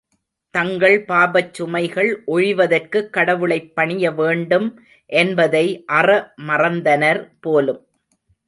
தங்கள் பாபச் சுமைகள் ஒழிவதற்குக் கடவுளைப் பணிய வேண்டும் என்பதை அற மறந்தனர் போலும்.